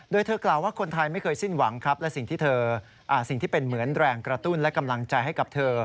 โดยเธอกล่าวว่าคนไทยไม่เคยสิ้นหวังครับและสิ่งที่เป็นเหมือนแรงกระตุ้นและกำลังใจให้กับเธอ